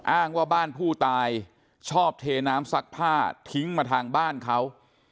อ้างว่าบ้านผู้ตายชอบเทน้ำซักผ้าทิ้งมาทางบ้านเขา